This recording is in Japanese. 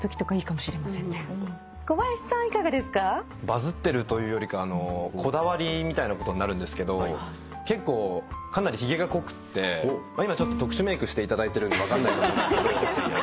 バズってるというよりかこだわりみたいなことになるんですけど結構かなりひげが濃くって今ちょっと特殊メークしていただいてるんで分かんないと思うんですけど。